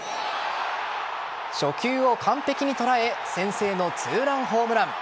初球を完璧に捉え先制の２ランホームラン。